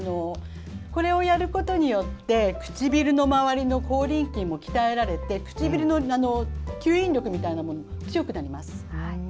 これをやることによって唇の周りの口輪筋も鍛えられて唇の吸引力みたいなものが強くなります。